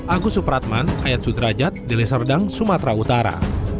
agus supratman ayat sudrajat dinaserdang sumatera utara